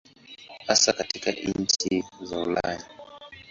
Hasa katika nchi za Ulaya.